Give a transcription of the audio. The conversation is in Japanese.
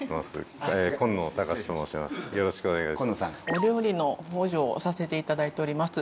お料理の補助をさせて頂いております。